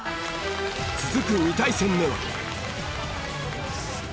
続く２対戦目は。